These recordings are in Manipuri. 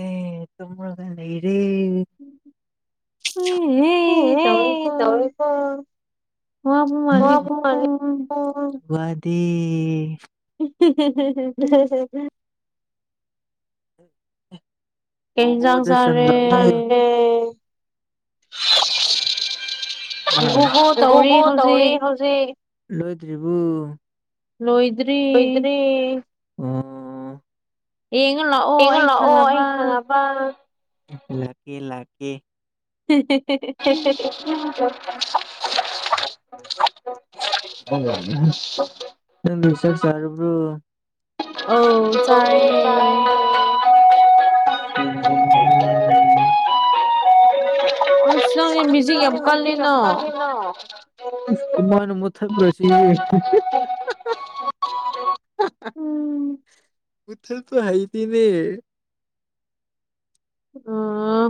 ꯑꯦ ꯇꯨꯝꯔꯒ ꯂꯩꯔꯦ ꯎꯝ ꯇꯧꯔꯤꯀꯣ ꯋꯥꯕ ꯃꯥꯜꯂꯤꯀꯣ ꯋꯥꯗꯦ [unintelligible] ꯀꯩ ꯍꯦꯟꯖꯥꯡ ꯆꯥꯔꯦ [unintelligible] ꯎꯝ ꯍꯕꯨꯕꯨꯨ ꯇꯧꯔꯤ ꯍꯧꯖꯤꯛ ꯂꯣꯏꯗ꯭ꯔꯤꯕ ꯂꯣꯏꯗ꯭ꯔꯤ ꯂꯣꯏꯗ꯭ꯔꯤ ꯌꯦꯡꯉ ꯂꯥꯛꯑꯣ ꯑꯩ ꯁꯥꯟꯅꯕ ꯂꯥꯛꯀꯦ ꯂꯥꯛꯀꯦ ꯎꯝ ꯍꯦ ꯍꯦ ꯁꯤ ꯅꯪꯗꯣ ꯆꯥꯛ ꯆꯥꯔꯕꯣ 'inaudible' 'inaudible' ꯏꯅ ꯃꯊꯁꯤ ꯃꯨꯊꯠꯄ ꯍꯩꯇꯦꯅꯦ ꯑꯣ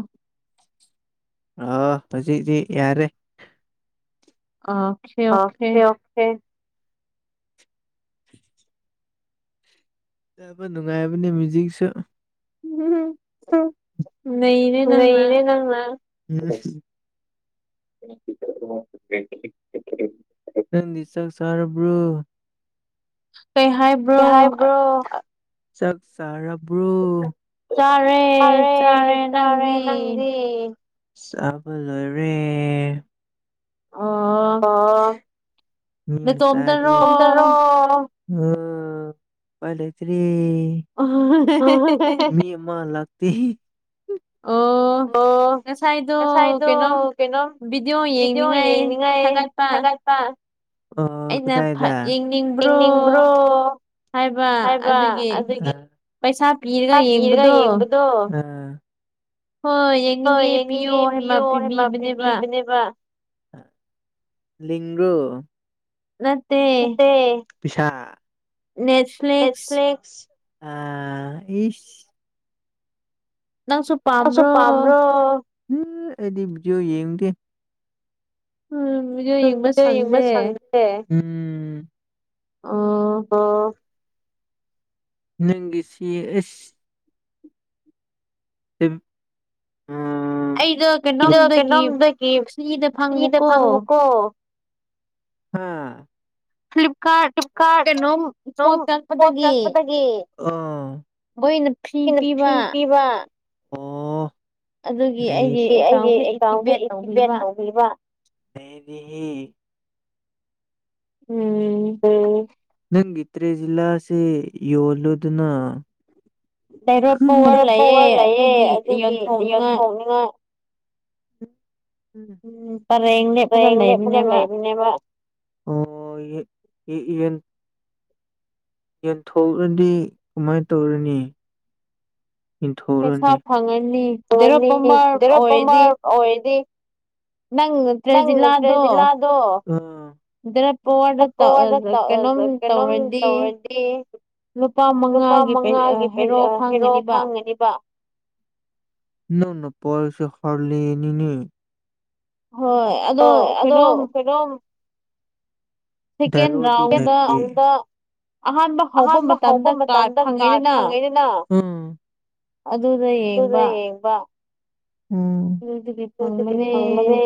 ꯑ ꯍꯧꯖꯤꯛꯗꯤ ꯌꯥꯔꯦ ꯑ ꯑꯣꯀꯦ ꯑꯣꯀꯦ ꯇꯥꯕ ꯅꯨꯡꯉꯥꯏꯕꯅꯤ ꯃ꯭ꯨꯖꯤꯛꯁꯨ ꯎꯝ ꯂꯩꯅꯦ ꯅꯪꯅ 'inaudible' ꯑꯦꯁꯛ ꯁꯥꯔꯕꯣ ꯀꯩ ꯍꯥꯏꯕ꯭ꯔꯣ ꯆꯥꯛ ꯆꯥꯔꯕ꯭ꯔꯣ ꯇꯥꯔꯦ ꯆꯥꯔꯦ ꯅꯪꯗꯤ ꯁꯕꯂꯔꯦ [unintelligible] [inaudible] ꯑ ꯃꯤ ꯃꯆꯥꯗꯤ ꯅꯇꯣꯝꯗꯔꯣ ꯍ ꯎꯄꯥꯢ ꯂꯩꯇꯔꯦ ꯌꯦ ꯃꯤ ꯑꯃ ꯂꯥꯛꯇꯦ ꯑꯣ ꯉꯁꯥꯏꯗꯣ ꯀꯩꯅꯣꯝ ꯚꯤꯗꯤꯑꯣ ꯌꯦꯡꯅꯤꯡꯉꯥꯏ ꯊꯒꯠꯄ ꯑꯩꯅ ꯌꯦꯡꯅꯤꯡꯕ꯭ꯔꯣ ꯍꯥꯏꯕ ꯑꯗꯨꯒꯤ ꯄꯩꯁꯥ ꯄꯤꯔꯒ ꯌꯦꯡꯕꯗꯣ 'inaudible' ꯍꯣꯏ ꯌꯦ ꯍꯣꯏ ꯌꯦꯡꯅꯤꯡꯉꯦ ꯄꯤꯌꯣ ꯍꯥꯏꯃ ꯄꯤꯕꯤꯕꯅꯦꯕ ꯂꯤꯡꯂꯣ ꯄꯥ꯭ꯂ ꯑ ꯏ ꯅꯪꯁꯨ ꯅꯪꯁꯨ ꯄꯥꯝ꯭ꯕꯔꯣ ꯎꯝ ꯑꯩꯗꯤ ꯚꯤꯗꯤꯑꯣ ꯌꯦꯡꯗꯦ ꯁꯨꯝꯃꯤꯗ ꯌꯦꯡꯕ ꯁꯪꯗꯦ ꯑꯥ ꯅꯪꯒꯤꯁꯤ ꯑꯦꯁ ꯍ [unintelligible] [inaudible] ꯑꯩꯗ ꯀꯩꯅꯣꯝꯗꯒꯤ ꯐ꯭ꯔꯤꯗ ꯐꯪꯉꯨꯀꯣ ꯍꯥꯥ ꯐ꯭ꯂꯤꯞꯀꯔꯠ ꯐ꯭ꯂꯤꯞꯀꯥꯔꯗ ꯄꯣꯠ ꯀꯛꯄꯗꯒꯤ ꯀꯩꯅꯣ ꯐꯤ ꯄꯤꯕ ꯑꯣ ꯑꯩꯒꯤ ꯑꯦꯀꯥꯎꯟꯁꯤ ꯑꯦꯛꯇꯤꯕꯦꯠ ꯇꯧꯕꯤꯕ ꯗꯦꯔꯤ ꯎꯝ ꯅꯪꯒꯤ ꯇ꯭ꯔꯦꯖꯤꯜꯂꯥꯁꯦ ꯌꯣꯜꯂꯨꯗꯅ ꯍꯤꯔꯣ ꯄꯋꯥꯔ ꯂꯩꯌꯦ ꯑꯗꯨꯒꯤ ꯌꯣꯟꯊꯣꯛꯅꯤꯉꯥꯏ ꯎꯝꯡꯅꯦꯄꯖꯥ ꯂꯩꯅꯦꯕ ꯑꯣ ꯌꯦꯟ ꯌꯦꯟꯊꯣꯛꯂꯗꯤ ꯀꯃꯥꯏꯅ ꯇꯧꯔꯅꯤ ꯔ ꯑꯣꯏꯗꯤ ꯅꯪ ꯅꯪ ꯇ꯭ꯔꯦꯖꯤꯂꯗꯣ ꯄꯗ ꯀꯩꯅꯣꯝ ꯇꯧꯔꯗꯤꯢ ꯂꯨꯄꯥ ꯃꯉꯥꯒꯤ ꯍꯦꯔꯣ ꯐꯪꯒꯅꯤꯕ ꯅꯅ ꯄꯣꯏꯁꯥ ꯐꯔꯂꯤꯅꯤꯅꯤ ꯍꯣꯏ ꯑꯗꯣ ꯀꯩꯅꯣꯝ ꯀꯩꯅꯣ ꯗꯔꯗꯤ ꯑꯍꯥꯟꯕ ꯍꯧꯕ ꯃꯇꯝꯗ ꯀꯥꯔꯗ ꯐꯪꯉꯦꯗꯅ ꯑꯗꯨꯗ ꯌꯦꯡꯕ ꯎꯝ ꯗꯨꯗꯨꯒꯤ ꯐꯪꯕꯅꯦ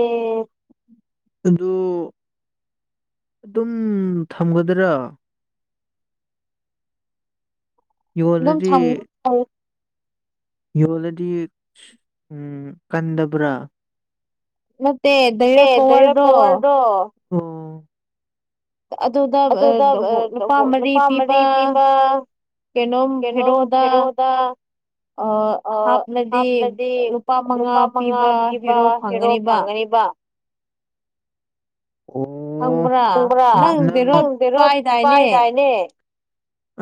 ꯑꯗꯣ ꯑꯗꯨꯝ ꯊꯝꯒꯗ꯭ꯔꯥ ꯌ ꯑꯣꯜꯔꯦꯗꯤ ꯌꯣꯜꯂꯗꯤ ꯎꯝ ꯀꯟꯗꯕ꯭ꯔꯥ ꯅꯠꯇꯦ ꯗꯩꯔ ꯄꯋꯥꯔꯗꯣ ꯑꯣ ꯎꯝ ꯑꯗꯨꯗ ꯂꯨꯄꯥ ꯃꯔꯤ ꯄꯤꯕ ꯀꯩꯅꯣꯝ ꯍꯥꯏꯔꯣꯗ ꯑ ꯍꯥꯞꯂꯗꯤ ꯂꯨꯄꯥ ꯃꯉꯥ ꯄꯤꯕ ꯍꯦꯔꯣ ꯐꯪꯒꯅꯤꯕ ꯍꯪꯕ꯭ꯔꯥ ꯅꯪꯗꯤꯦꯔꯣ ꯀꯥꯏꯗꯥꯏꯅꯦ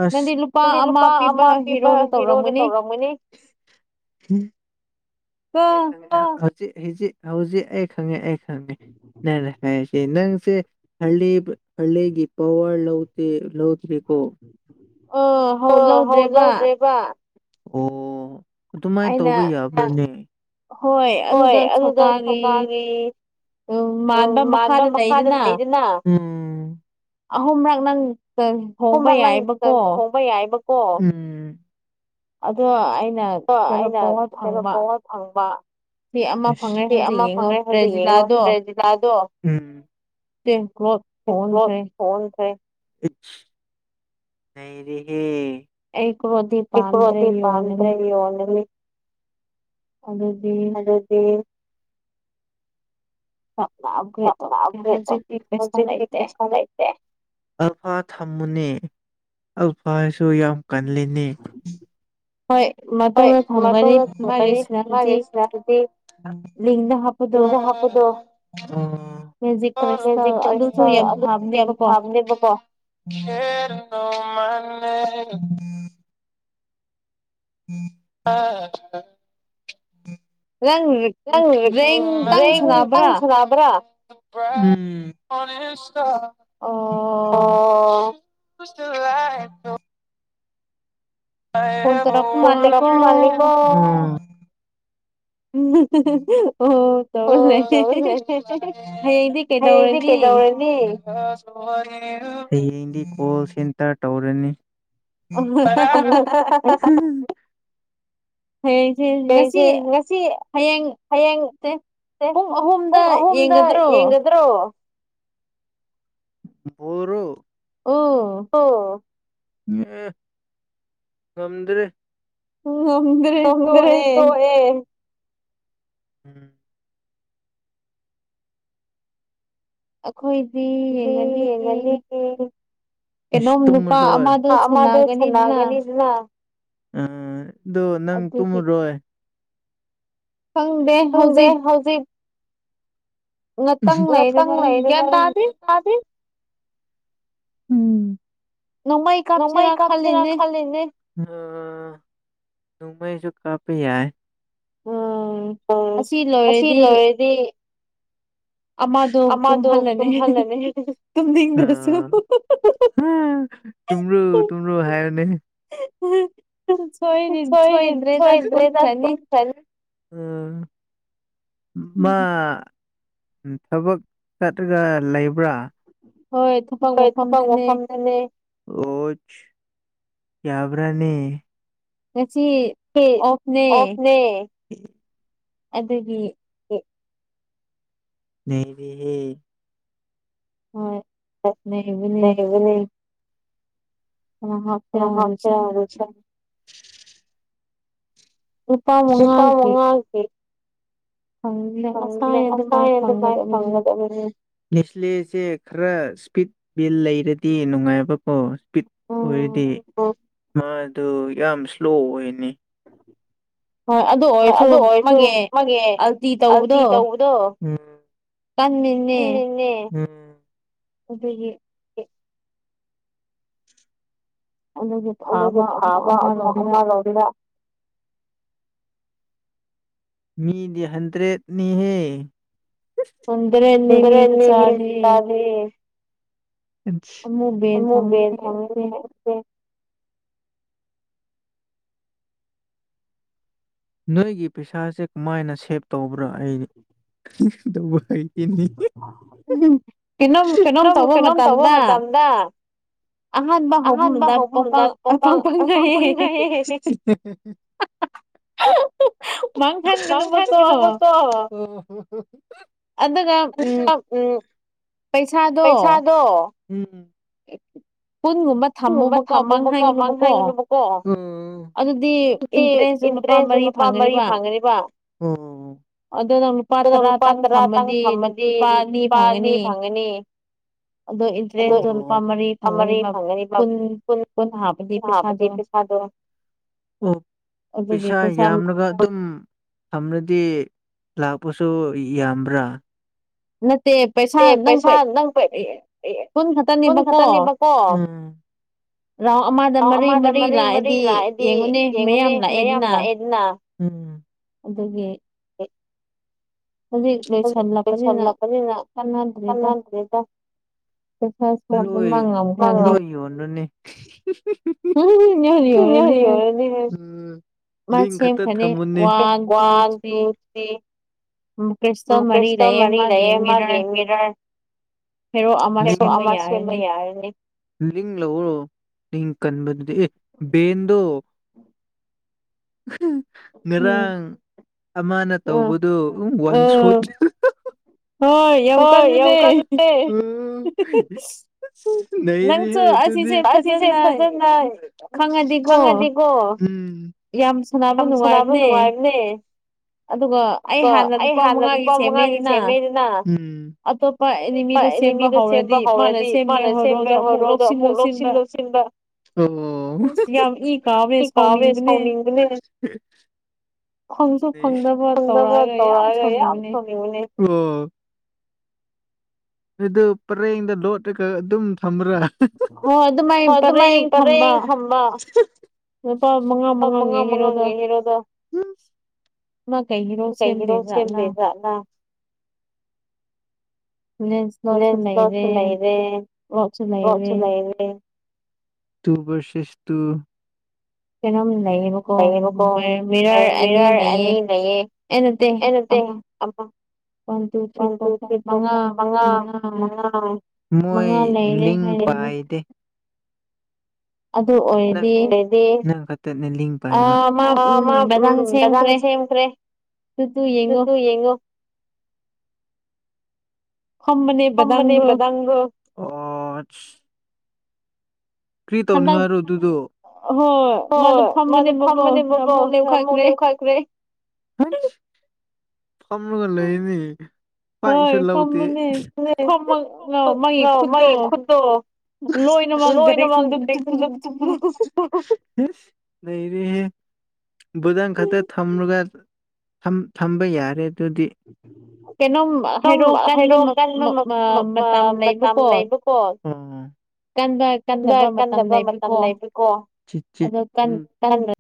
ꯑꯁ ꯍꯥꯏꯗꯤ ꯂꯨꯄꯥ ꯑꯃ ꯄꯤꯕ ꯍꯤꯔꯣꯗ ꯇꯧꯔꯝꯒꯅꯤ ꯑꯩ ꯈꯪꯉꯦ ꯍꯧꯖꯤꯛ ꯍꯧꯖꯤꯛ ꯍꯧꯖꯤꯛ ꯑꯩ ꯈꯪꯉꯦ ꯑꯩ ꯈꯪꯉꯦ ꯅꯦꯅꯦ ꯑꯦ ꯁꯤ ꯅꯪꯁꯦ ꯍꯦ ꯍꯜꯒꯤ ꯄꯋꯥ ꯂꯧꯇꯦ ꯂꯧꯗꯀꯣ [inaudible] ꯑ ꯍꯧ ꯂꯧꯗ꯭ꯔꯦꯕ ꯑꯣ ꯑꯗꯨꯃꯥꯏꯅ ꯇꯧꯕ ꯌꯥꯕꯅꯦ ꯍꯣꯏ ꯑꯗꯨꯗ ꯁꯧꯀꯥꯒꯤ ꯎꯝ ꯃꯥꯟꯕ ꯃꯈꯥꯗ ꯂꯩꯗꯅ ꯑꯍꯨꯝꯔꯛ ꯅꯪ ꯍꯣꯡꯕ ꯌꯥꯏꯕꯀꯣ ꯕ ꯌꯥꯏꯕꯀꯣ ꯑꯗ ꯑꯩꯅ ꯑꯣ ꯑꯩꯅ ꯀꯩꯅꯣ ꯄꯉ ꯐꯪꯕ ꯁꯤ ꯑꯃ ꯐꯪꯉꯦ ꯍꯧꯖꯤꯛ ꯌꯦꯡꯉꯣ ꯔꯦꯖꯤꯂꯥꯗꯣ ꯍꯣ ꯐꯣꯟꯁꯦ ꯅꯩꯔꯦꯍꯦ ꯏꯀꯣꯗꯤ ꯄꯥꯝꯗ꯭ꯔꯦꯃꯤ ꯑꯗꯒꯤꯗꯤ ꯑꯗꯨꯗꯤ ꯞ ꯂꯥꯛꯑꯒꯦ ꯇꯧꯁꯦ ꯍꯧꯖꯤꯛꯇꯤ ꯄꯩꯁꯥ ꯂꯩꯇꯦ ꯑꯜꯐꯥ ꯊꯝꯃꯨꯅꯤ ꯑꯜꯐꯥꯁꯨ ꯌꯥꯝ ꯀꯜꯂꯤꯅꯤ ꯍꯣꯏ ꯃꯅꯤ ꯃꯥꯒꯤꯅꯗꯤ ꯏ ꯍꯥꯄꯗꯨꯣ ꯑ ꯍꯧꯖꯤꯛ ꯈꯔꯁꯇ ꯑꯗꯨ ꯀꯌꯥꯝ ꯄꯥꯝꯅꯦꯕꯀꯣ ꯈꯅꯨ ꯃꯅꯦ [unintelligible] [inaudible] [unintelligible] [inaudible] ꯆꯪ ꯇꯪ ꯁꯗꯕ꯭ꯔꯥ ꯁ ꯑꯣ ꯣ [unintelligible] [inaudible] ꯀꯣꯟ ꯇ ꯔ ꯃꯥꯂꯤꯛ [unintelligible] [inaudible] ꯎꯝ [unintelligible] [inaudible] ꯑꯣ ꯇꯧꯔ ꯂꯩ ꯍꯌꯦꯡꯗꯤ ꯀꯩꯗꯧꯔꯅꯤ ꯍꯌꯦꯡꯗꯤ ꯀꯣꯜ ꯁꯦꯟꯇꯔ ꯇꯧꯔꯅꯤ [unintelligible] [inaudible] ꯍ ꯍ ꯉꯁꯤ ꯍꯌꯦꯡ ꯄꯨꯡ ꯑꯍꯨꯝꯗ ꯌꯦꯡꯒꯗ꯭ꯔꯣ ꯭ꯔꯣ [unintelligible] [inaudible] ꯃꯣꯔ ꯑꯣ [unintelligible] [inaudible] ꯑꯣ ꯎ ꯉꯝꯗ꯭ꯔꯦ ꯎ ꯍ ꯍ ꯇꯒ꯭ꯔꯦꯁꯨ ꯑꯦ [inaudible] ꯎꯝ [unintelligible] [inaudible] ꯑꯩꯈꯣꯏ ꯑꯗꯨꯗꯤ ꯌꯦꯉꯅꯤ ꯇꯁꯒꯅꯤꯅ [inaudible] ꯑ ꯑꯗꯨ ꯅꯪ ꯇꯨꯃ ꯔꯣ ꯐꯪꯗꯦ ꯎꯗ ꯍꯧꯖꯤꯛ ꯉ ꯀꯪꯔꯗꯤ ꯎꯝ ꯅꯣꯡꯃꯩ ꯀꯥꯛꯁꯦꯔꯥ ꯈꯜꯂꯤꯅꯦ꯫ ꯃꯩꯁꯨ ꯀꯥꯄꯤ ꯌꯥ ꯎ ꯑꯁꯤ ꯂꯣꯏꯔꯗꯤ ꯑꯗꯨꯗꯤ ꯑꯃꯗꯣ ꯇꯨꯝꯍꯜꯂꯅꯤ ꯇꯨꯝ ꯌꯦꯅꯔꯁꯤꯔ [inaudible] ꯎꯝ ꯊꯣꯏ ꯁꯏꯗ꯭ꯔꯦ ꯇ ꯄꯨ ꯎꯝ ꯃꯥ [unintelligible] [inaudible] ꯊꯕꯛ ꯆꯠꯂꯒ ꯂꯩꯕ꯭ꯔꯥ ꯍꯣꯏ ꯛ ꯃꯐꯝꯗꯅꯦ ꯌꯥꯕ꯭ꯔꯥꯅꯦ ꯉꯁꯤ ꯑꯣꯅꯦ ꯑꯗꯨꯗꯒꯤ ꯍ ꯎ ꯍꯣꯏ ꯂꯩꯕ ꯑꯣ ꯍꯣ [unintelligible] [inaudible] ꯑ ꯍꯥ ꯐꯦꯔ ꯆꯄꯥ ꯃꯉꯥꯡ ꯐꯪꯁꯥꯏ ꯑꯗꯨ ꯃꯥꯥꯏ ꯐꯉꯗ ꯅꯦꯁꯂꯦꯁꯦ ꯈꯔ ꯏꯁꯄꯤꯠ ꯕꯤꯜ ꯂꯩꯔꯗꯤ ꯅꯨꯡꯉꯥꯏꯕꯀꯣ ꯏꯁꯄꯤꯠ ꯑꯣꯏꯗꯤ ꯃꯥꯗꯨ ꯌꯥꯝ ꯏꯁ꯭ꯂꯣ ꯑꯣꯏꯅꯤ ꯍꯣꯏ ꯑꯗꯨ ꯑꯣꯏꯔꯁꯨ ꯃꯥꯒꯤ ꯑꯜꯇꯤ ꯇꯧꯕꯗꯣ ꯀꯟꯃꯤꯅꯦ ꯎꯝ ꯑꯗꯨꯗꯦ ꯎ [unintelligible] [inaudible] ꯑꯗꯨꯗꯒꯤ ꯐꯥꯕ ꯑꯃ ꯑꯃꯃ ꯂꯧꯣꯗ ꯍꯅ [unintelligible] [inaudible] ꯃꯤꯗꯤ ꯍꯟꯗ꯭ꯔꯦꯠꯅꯤꯍꯦ ꯑꯗꯨꯗꯔꯦꯅꯤꯗꯤꯦ ꯑꯃꯃꯨ ꯊꯝꯦ ꯅꯣꯏꯒꯤ ꯄꯩꯁꯥꯁꯦ ꯀꯃꯥꯏꯅ ꯁꯦꯚ ꯇꯧꯕ꯭ꯔꯥ ꯑꯩ ꯇꯧꯕ ꯑꯩ ꯀꯩꯅꯣꯝ ꯀꯩꯅꯣꯝ ꯇꯧꯕ ꯃꯇꯝꯗ ꯑꯍ ꯍꯣ ꯄꯨꯗ ꯄꯄ ꯄꯥꯄꯥꯄꯦ [unintelligible] ꯎꯝ ꯄꯩꯁꯥꯗꯣ ꯀꯨꯟꯒꯨꯝꯕ ꯊꯝꯃꯨꯕꯀꯣ ꯃꯪ ꯍꯥꯏꯒꯂꯨꯕꯀꯣ ꯀ ꯏꯟꯇ꯭ꯔꯦꯁꯁꯨ ꯃꯄꯥ ꯃꯔꯤ ꯐꯪꯒꯅꯤꯕ ꯑꯗꯨꯗ ꯅꯪ ꯂꯨꯄꯥ ꯇꯔꯥꯇꯪ ꯊꯝꯃꯗꯤ ꯂꯨꯄꯥ ꯑꯅꯤ ꯐꯪꯒꯅꯤ ꯑꯗꯣ ꯏꯟꯇꯔꯦꯟꯁꯇꯣ ꯂꯨꯄꯥ ꯃꯔꯤ ꯐꯪꯒꯅꯤ ꯀꯨꯟ ꯄꯨꯣ ꯍꯥꯞ ꯂꯤꯄꯤꯦ ꯁꯥ ꯑꯗꯨ ꯑꯣ ꯄꯩꯁꯥ ꯌꯥꯝꯂꯒ ꯑꯗꯨꯝ ꯁ꯭ꯗꯤ ꯂꯥꯛꯄꯁꯨ ꯌꯥꯝꯕ꯭ꯔꯥ ꯅꯠꯇꯦ ꯄꯩꯁꯥ ꯅꯪ ꯀꯟ ꯈꯛꯇꯅꯦꯕꯀꯣ ꯔꯥꯎꯟ ꯑꯃꯗ ꯃꯔꯤ ꯃꯔꯤ ꯂꯥꯛꯑꯗꯤ ꯌꯦꯡꯉꯨꯅꯦ ꯃꯌꯥꯝ ꯂꯥꯛꯑꯦꯗꯅ ꯑꯗꯨꯒꯤ ꯖꯤ ꯄꯩꯁ ꯄꯦꯗ ꯐ [unintelligible] [inaudible] ꯑꯣꯅ ꯑꯣꯅꯤ [inaudible] [unintelligible] ꯀꯌꯥ ꯍꯅꯤ ꯑꯣꯔꯗꯤ ꯍꯥꯏ [inaudible] ꯂꯤꯡ ꯈꯛꯇ ꯊꯝꯃꯨꯅꯦ ꯋꯥꯟ ꯇꯨ ꯊ꯭ꯔꯤ ꯨ ꯀꯁꯇꯣ ꯃꯔꯤ ꯂꯩꯦ ꯃꯥꯒꯦ ꯃꯤꯔꯔ ꯑꯃꯁ ꯅ ꯌꯥꯔ ꯅ ꯅꯤꯡ ꯂꯧꯎꯔꯣ ꯅꯤꯡ ꯀꯟꯕꯗꯨꯗꯤ ꯑꯦ ꯕꯦꯟꯗꯣ [unintelligible] ꯉꯔꯥꯡ ꯑꯃꯅ ꯇꯧꯕꯗꯨ ꯋꯥꯟ ꯁꯨꯠꯇ ꯍ ꯌꯦꯎ ꯀꯗꯔꯤ [inaudible] [unintelligible] ꯎꯝ [unintelligible] [inaudible] [unintelligible] ꯂꯩꯔꯤ ꯑꯗꯨꯗꯤ ꯑꯁꯤꯁꯦ ꯐꯖꯅ ꯈꯪꯉꯗꯤꯀꯣ ꯎ ꯌꯥꯝ ꯁꯥꯟꯅꯕ ꯅꯨꯡꯉꯥꯏꯕꯅꯦ ꯑꯗꯨꯒ ꯑꯩ ꯍꯥꯟꯅ ꯂꯨꯄꯥ ꯃꯉꯥꯒꯤ ꯁꯦꯝꯃꯦꯗꯅ ꯑꯇꯣꯞꯃꯤꯗ ꯑꯦꯅꯤꯃꯤꯗꯣ ꯁꯦꯝꯕ ꯍꯧꯔꯗꯤ ꯃꯥꯅ ꯁꯦꯝꯃꯦ ꯍꯔꯣꯗꯣ ꯑꯃꯨꯛ ꯂꯧꯁꯤꯟ ꯂꯧꯁꯤꯟꯕ ꯑꯣꯀꯕꯦꯁ ꯀꯥꯎꯅꯤꯡꯕꯅꯦ ꯁꯗꯕ ꯇꯧꯔꯑꯒ ꯌꯥꯝ ꯁꯣꯅꯤꯡꯕꯅꯦ ꯑꯗꯨ ꯄꯔꯦꯡꯗ ꯂꯣꯠꯂꯒ ꯑꯗꯨꯝ ꯊꯝꯕ꯭ꯔꯥ ꯑꯣ ꯃ ꯑꯗꯨ ꯃ ꯄꯔꯦ ꯈꯝꯕ ꯃꯉꯥ ꯃꯉꯥꯡꯒꯦ ꯍꯦꯔꯣꯗ ꯀꯩꯔꯣ ꯁꯦꯝꯗꯗꯂ ꯎꯝ ꯅ ꯀꯁꯨ ꯂꯩꯔꯦ ꯀꯣꯠꯁꯨ ꯂꯩꯔꯦ ꯇꯕꯁꯦꯁ ꯇꯨ ꯀꯩꯅꯣꯝ ꯂꯩꯌꯦꯕ ꯂꯩꯌꯦꯕꯀꯣ ꯑꯩ ꯃꯤꯔꯥꯔ ꯑꯅꯤ ꯂꯩꯌꯦ ꯑꯦ ꯅꯠꯇꯦ [unintelligible] ꯇꯦ [unintelligible] ꯀꯪꯩ ꯍꯥꯏꯕ ꯑꯣ ꯃꯥ ꯉꯥꯔꯥꯡ ꯁꯦꯝꯈ꯭ꯔꯦ ꯇꯨ ꯇꯨ ꯌꯦꯡꯒꯣ ꯐꯝꯕꯅꯦ ꯕꯗꯥꯝꯗꯣ ꯑꯁ ꯀ꯭ꯔꯤ ꯇꯧꯅꯤꯡꯉꯥꯏꯔꯣ ꯑꯗꯨꯗꯣ ꯍꯣꯏ ꯃꯥꯗꯣ ꯐꯝꯕꯅꯦꯕꯀꯣ ꯌꯥꯝ ꯑꯃꯨꯛ ꯂꯦꯞꯈꯠꯈ꯭ꯔꯦ ꯍꯩꯁ ꯐꯝꯃꯒ ꯂꯩꯅꯤ ꯄꯥꯏꯁꯨ ꯂꯧꯗꯦ [unintelligible] ꯃꯥꯒꯤ ꯈꯨꯠꯇꯣ ꯂꯣꯏꯅ ꯃꯪꯗꯔꯦ [unintelligible] ꯅꯩꯔꯦꯍꯦ ꯕꯨꯗꯟ ꯈꯛꯇ ꯊꯝꯔꯒ ꯊꯝꯕ ꯌꯥꯔꯦ ꯑꯗꯨꯗꯤ ꯁꯨꯝ ꯍꯩꯔꯣꯛ ꯀꯟꯅ ꯃꯇꯝ ꯂꯩꯕꯀꯣ ꯑꯣ ꯀꯟꯕ ꯀꯟꯗꯕ ꯃꯇꯝ ꯂꯩꯕꯀꯣ ꯁꯤꯆꯤ ꯎꯝ